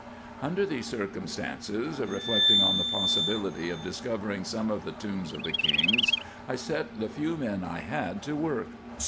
Under these circumstances, reflecting on the possibility of dis covering some of the tombs of the kings, I set the few men I had to work.